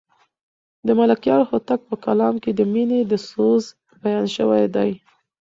د ملکیار هوتک په کلام کې د مینې د سوز بیان شوی دی.